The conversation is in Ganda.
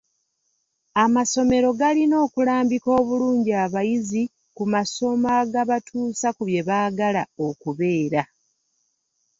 Amasomero galina okulambika obulungi abayizi ku masomo agabatuusa ku bye baagala okubeera.